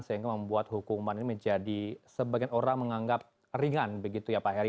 sehingga membuat hukuman ini menjadi sebagian orang menganggap ringan begitu ya pak heri